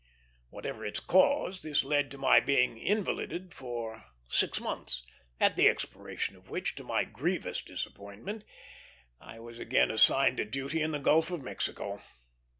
Whatever its cause, this led to my being invalided for six months, at the expiration of which, to my grievous disappointment, I was again assigned to duty in the Gulf of Mexico.